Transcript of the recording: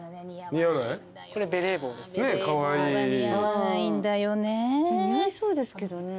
似合いそうですけどね。